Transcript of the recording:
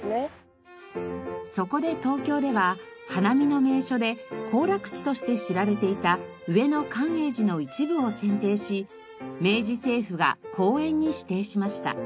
そこで東京では花見の名所で行楽地として知られていた上野寛永寺の一部を選定し明治政府が公園に指定しました。